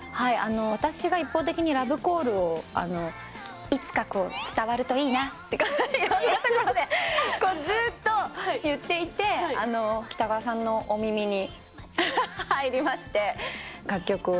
私が一方的にラブコールを、いつか伝わるといいなっていうことで、ずっと言っていて、北川さんのお耳に入りまして。